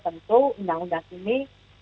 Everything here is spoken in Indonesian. tentu undang undang ini